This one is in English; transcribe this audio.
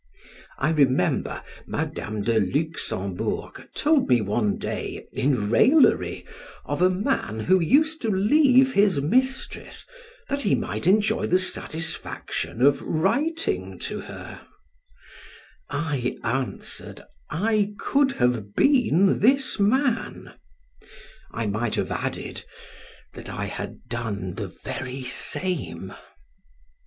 I remember Madam de Luxembourg told me one day in raillery, of a man who used to leave his mistress that he might enjoy the satisfaction of writing to her; I answered, I could have been this man; I might have added, That I had done the very same.